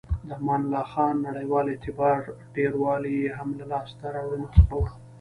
د امان الله خان نړیوال اعتبار ډیروالی یې هم له لاسته راوړنو څخه و.